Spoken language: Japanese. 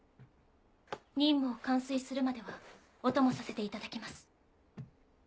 任務を完遂するまではお供させていただきます。